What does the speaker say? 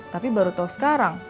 tapi baru tau sekarang